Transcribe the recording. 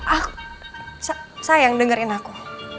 aku sayang dengerin aku